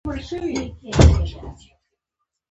ـ د ژمي لمر ته سړى نه تودېږي.